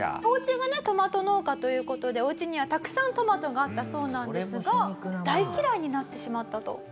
おうちがトマト農家という事でおうちにはたくさんトマトがあったそうなんですが大嫌いになってしまったと。